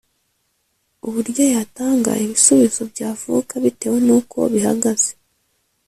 uburyo yatanga ibisubizo byavuka bitewe nuko bihagaze